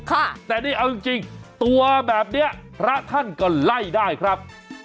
แต่นี่เอาจริงตัวแบบนี้พระท่านก็ไล่ได้ครับ